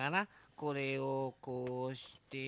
これをこうして。